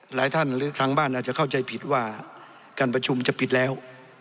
หลายท่านหรือทางบ้านอาจจะเข้าใจผิดว่าการประชุมจะปิดแล้ว